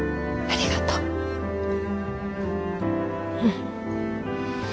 うん。